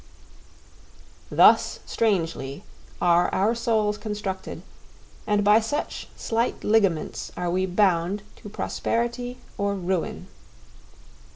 Thus strangely are our souls constructed, and by such slight ligaments are we bound to prosperity or ruin.